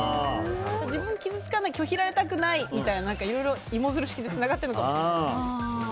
自分が傷つかない拒否られたくないとかいろいろ芋づる式でつながってるのかもしれないですね。